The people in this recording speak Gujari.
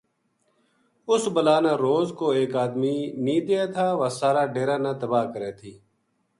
اُس بلا نا روز کو ایک آدمی نیہہ دیے تھا واہ سارا ڈیرا نا تباہ کرے تھی